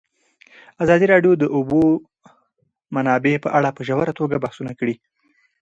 ازادي راډیو د د اوبو منابع په اړه په ژوره توګه بحثونه کړي.